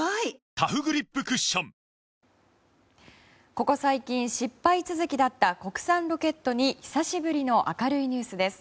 ここ最近失敗続きだった国産ロケットに久しぶりの明るいニュースです。